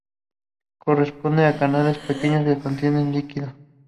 Corresponden a canales pequeños que contienen líquido.